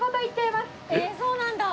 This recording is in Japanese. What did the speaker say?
えっそうなんだ！